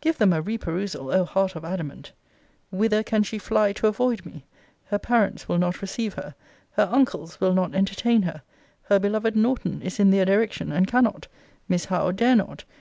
give them a reperusal, O heart of adamant! 'Whither can she fly to avoid me? Her parents will not receive her. Her uncles will not entertain her. Her beloved Norton is in their direction, and cannot. Miss Howe dare not.